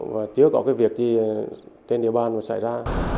và chưa có việc gì trên địa bàn xảy ra